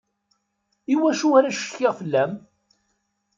Iwacu ara ccetkiɣ fella-m?